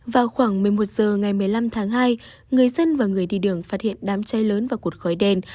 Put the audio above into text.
vào khoảng một mươi một h ngày một mươi năm tháng hai người dân và người đi đường phát hiện đám cháy lớn vào cột khói đen